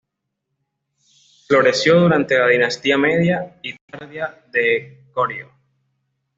Floreció durante la dinastía media y tardía de Koryo.